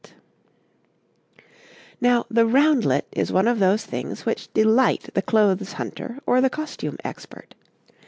two types of head gear}] Now, the roundlet is one of those things which delight the clothes hunter or the costume expert.